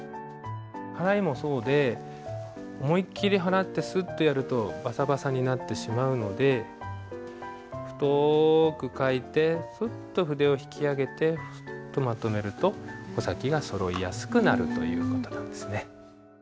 払いもそうで思いっきり払ってスッとやるとバサバサになってしまうので太く書いてフッと筆を引き上げてフッとまとめると穂先がそろいやすくなるという事なんですね。